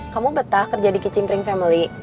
kamu betah kerja di kicimpring family